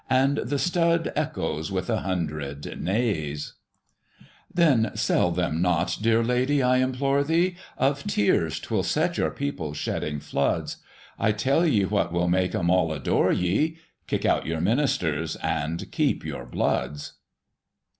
And the stud echoes with a hundred neighs, VIII. Then sell them not, dear lady, I implore ye ; Of tears 'twill set your people shedding floods ;— I tell ye what will make 'em all adore ye, — Kick out your ministers and keep your bloods